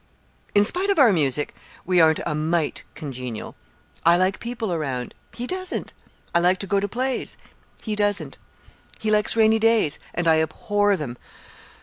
In spite of our music, we aren't a mite congenial. I like people around; he doesn't. I like to go to plays; he doesn't. He likes rainy days, and I abhor them.